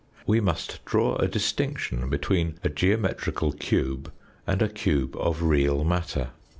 We must draw a dis tinction between a geometrical cube and a cube of real matter.